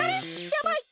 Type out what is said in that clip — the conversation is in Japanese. やばい！